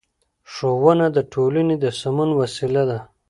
ښوونه د ټولنې د سمون وسیله ده